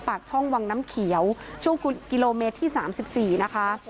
ปากช่องวังน้ำเขียวช่วงกิโลเมตรที่๓๔นะคะ